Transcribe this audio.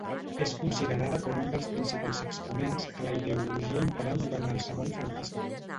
És considerada com un dels principals exponents de la ideologia imperant durant el segon franquisme.